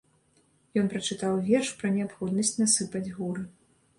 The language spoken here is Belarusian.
Ён прачытаў верш пра неабходнасць насыпаць горы.